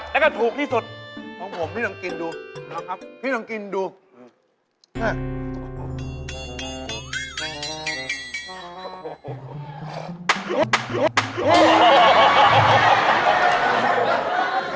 ใช่ครับ